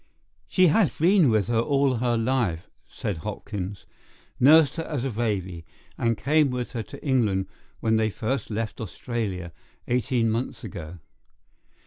"She has been with her all her life," said Hopkins. "Nursed her as a baby, and came with her to England when they first left Australia, eighteen months ago.